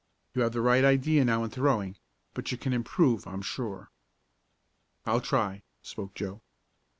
You have the right idea now in throwing, but you can improve, I'm sure." "I'll try," spoke Joe.